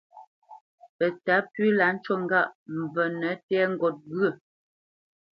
Pətǎ pʉ láʼ ncú ŋgâʼ : mvənə tɛ́ ŋgot ghyə̂.